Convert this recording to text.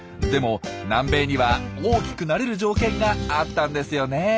でも南米には大きくなれる条件があったんですよね？